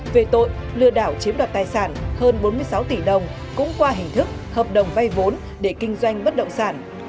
về tội lừa đảo chiếm đoạt tài sản hơn bốn mươi sáu tỷ đồng cũng qua hình thức hợp đồng vay vốn để kinh doanh bất động sản